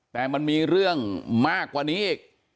แต่มันมีเรื่องมากกว่านี้อีก